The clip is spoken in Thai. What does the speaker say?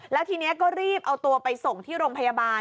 แล้วทีนี้ก็รีบเอาตัวไปส่งที่โรงพยาบาล